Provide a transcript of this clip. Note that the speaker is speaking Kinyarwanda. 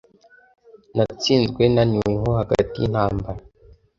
natsinzwe naniwe nko hagati y'intambara